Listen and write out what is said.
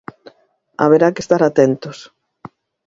Haberá que estar atentos.